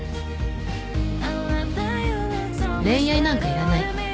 ［恋愛なんかいらない。］